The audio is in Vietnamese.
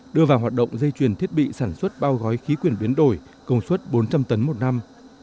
đưa vào hoạt động dây chuyển thiết bị sản xuất bao gói khí quyển biến đổi công suất bốn trăm linh tấn một năm